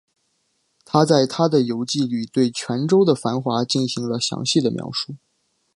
他在他的游记里对泉州的繁华进行了详细的描述。